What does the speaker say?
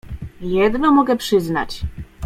— Jedno mogę przyznać.